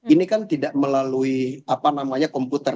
ini kan tidak melalui apa namanya komputer